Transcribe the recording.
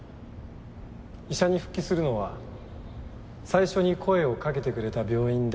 医者に復帰するのは最初に声をかけてくれた病院でって決めてましたから。